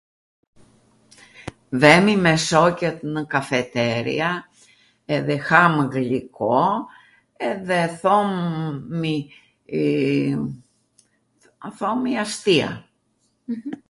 Vemi me shoqet nw kafeteria edhe hamw ghliko edhe thomi..., thomi astia.